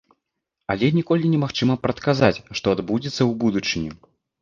Але ніколі не магчыма прадказаць, што адбудзецца ў будучыні.